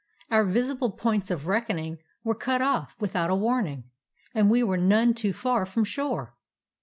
"Our visible points of reckoning were cut off without a warning, and we were none too far from shore.